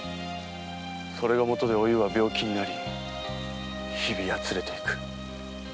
それが元でおゆうは病気になり日々やつれていく。